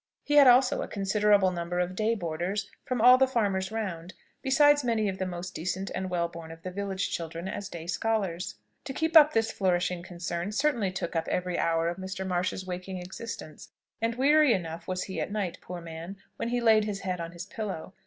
He had also a considerable number of day boarders from all the farmers round, besides many of the most decent and well born of the village children as day scholars. To keep up this flourishing concern certainly took up every hour of Mr. Marsh's waking existence, and weary enough was he at night, poor man, when he laid his head on his pillow.